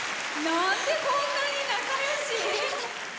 なんで、こんなに仲よし？